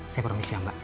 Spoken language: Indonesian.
saya promisi ya mbak